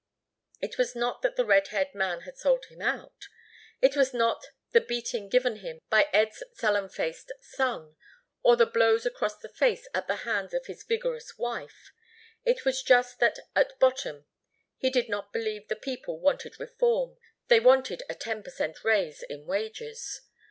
It was not that the red haired man had sold him out, it was not the beating given him by Ed's sullen faced son or the blows across the face at the hands of his vigorous wife it was just that at bottom he did not believe the people wanted reform; they wanted a ten per cent raise in wages.